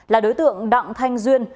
là đối tượng đặng thanh duyên